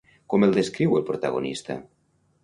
Com el descriu el protagonista?